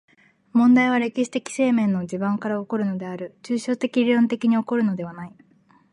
問題は歴史的生命の地盤から起こるのである、抽象論理的に起こるのではない。